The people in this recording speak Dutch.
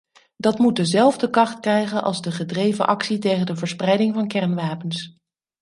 Dat moet dezelfde kracht krijgen als de gedreven actie tegen de verspreiding van kernwapens.